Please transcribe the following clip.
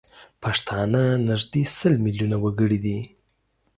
پښتانه نزدي سل میلیونه وګړي دي